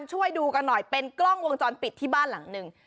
ช่วยดูกันหน่อยเป็นกล้องวงจรปิดที่บ้านหลังหนึ่ง